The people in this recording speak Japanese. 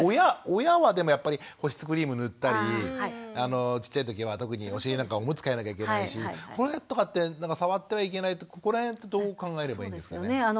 親はでもやっぱり保湿クリーム塗ったりちっちゃい時は特にお尻なんかおむつ替えなきゃいけないしこれとかって触ってはいけないここら辺ってどう考えればいいですかね。